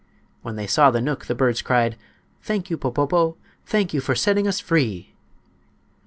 When they saw the knook the birds cried: "Thank you, Popopo. Thank you for setting us free."